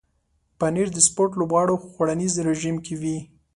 پنېر د سپورت لوبغاړو خوړنیز رژیم کې وي.